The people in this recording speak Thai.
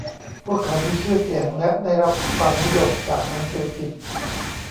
พวกเขามีชื่อเสียงและได้รับความนิยมจากหนังสือพิมพ์